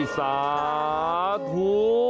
สาธุ